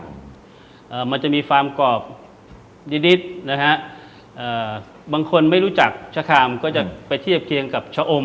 อ่ามันจะมีความกรอบนิดนิดนะฮะเอ่อบางคนไม่รู้จักชะคามก็จะไปเทียบเคียงกับชะอม